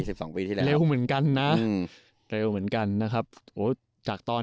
สิบสองปีที่แล้วเร็วเหมือนกันนะอืมเร็วเหมือนกันนะครับโอ้จากตอน